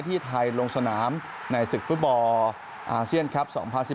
ที่ไทยลงสนามในศึกฟุตบอลอาเซียนครับ๒๐๑๘